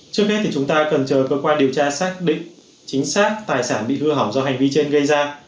trước hết thì chúng ta cần chờ cơ quan điều tra xác định chính xác tài sản bị hư hỏng do hành vi trên gây ra